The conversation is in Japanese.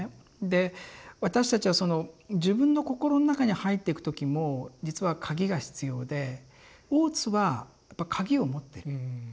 で私たちは自分の心の中に入っていく時も実は鍵が必要で大津はやっぱ鍵を持ってる。